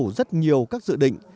anh đang ấp ổ rất nhiều các dự định